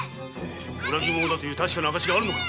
裏切り者だという確かな証拠があるのか！